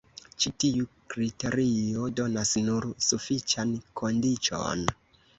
Ĉi tiu kriterio donas nur sufiĉan kondiĉon.